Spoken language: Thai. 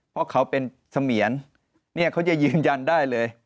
เพราะเขาเป็นเสมียรเนี่ยเขาจะยืนยันได้เลย